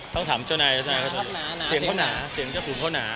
ต้องถามเจ้านายเจ้านายเขาเสียงเขาหนาเสียงเจ้าปู่เขาหนา